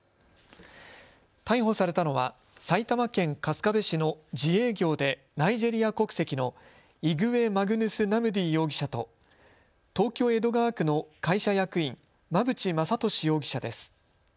逮捕されたのは埼玉県春日部市の自営業でナイジェリア国籍のイグウェマグヌスナムディ容疑者と東京江戸川区の会社役員、馬淵正敏容疑者です。